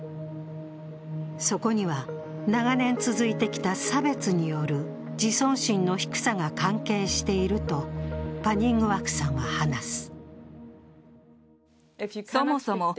そこには長年続いていた差別による自尊心の低さが関係しているとパニングワクさんは話す。